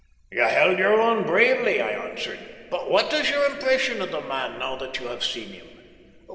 "You held your own bravely," I answered, "but what is your impression of the man now that you have seen him?"